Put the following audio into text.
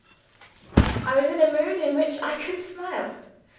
I was in a mood in which I could smile.